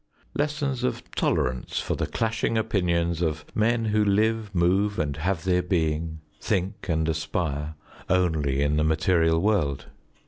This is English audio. Lessons of tolerance for the clashing opinions of men who live, move and have their being, think and aspire, only in the material world.